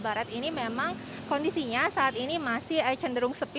barat ini memang kondisinya saat ini masih cenderung sepi